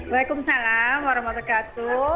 waalaikumsalam warahmatullahi wabarakatuh